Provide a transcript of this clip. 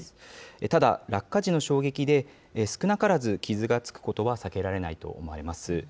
ただ、落下時の衝撃で、少なからず傷がつくことは避けられないと思います。